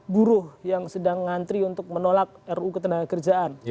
buruh yang sedang ngantri untuk menolak ruu ketenagakerjaan